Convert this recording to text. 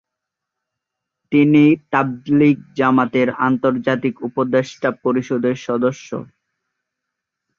তিনি তাবলীগ জামাতের আন্তর্জাতিক উপদেষ্টা পরিষদের সদস্য।